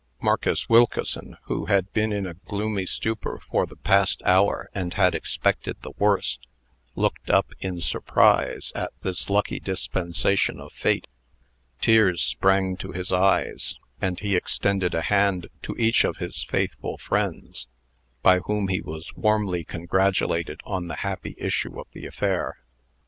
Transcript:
Marcus Wilkeson, who had been in a gloomy stupor for the past hour, and had expected the worst, looked up in surprise at this lucky dispensation of Fate. Tears sprang to his eyes, and he extended a hand to each of his faithful friends, by whom he was warmly congratulated on the happy issue of the affair.